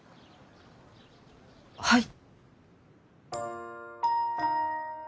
はい。